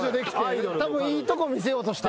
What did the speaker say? たぶんいいとこ見せようとして。